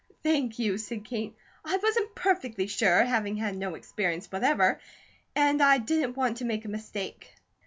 "Thank you," said Kate. "I wasn't perfectly sure, having had no experience whatever, and I didn't want to make a mistake."